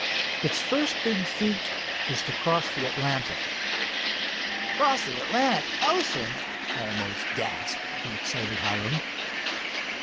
It's first big feat is to cross the Atlantic." "Cross the Atlantic Ocean!" almost gasped the excited Hiram.